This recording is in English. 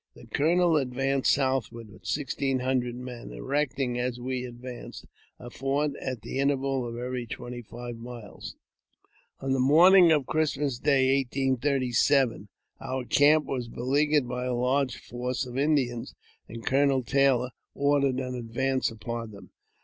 The colonel advanced southward with sixteen hundred men, erecting, as we advanced, a fort at the interval of every twenty fivi miles. On the morning of Christmas Day (1837) our camp wai beleaguered by a large force of Indians, and Colonel Taylor ordered an advance upon them.